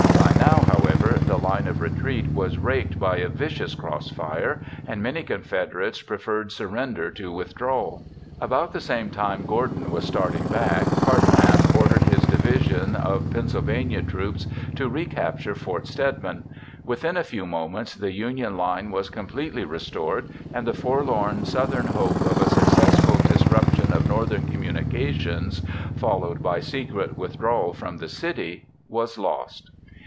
By now, however, the line of retreat was raked by a vicious crossfire and many Confederates preferred surrender to withdrawal. About the same time Gordon was starting back, Hartranft ordered his division of Pennsylvania troops to recapture Fort Stedman. Within a few moments the Union line was completely restored and the forlorn Southern hope of a successful disruption of Northern communications, followed by secret withdrawal from the city, was lost.